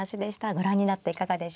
ご覧になっていかがでしょうか？